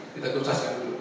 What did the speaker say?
kita tersesat dulu